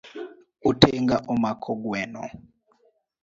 Otenga omako gweno.